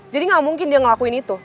jadi gak mungkin dia ngelakuin itu